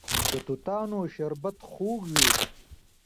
د توتانو شربت خوږ وي.